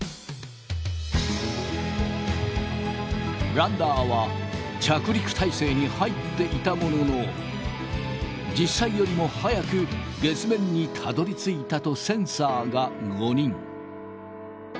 ランダーは着陸態勢に入っていたものの実際よりも早く月面にたどりついたとセンサーが誤認。